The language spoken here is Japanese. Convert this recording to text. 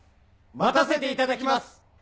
待たせていただきます！